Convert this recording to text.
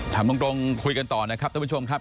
ถามตรงคุยกันต่อนะครับท่านผู้ชมครับ